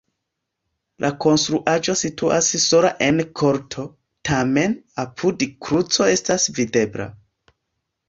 La konstruaĵo situas sola en korto, tamen apude kruco estas videbla.